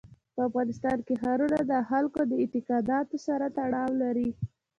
په افغانستان کې ښارونه د خلکو د اعتقاداتو سره تړاو لري.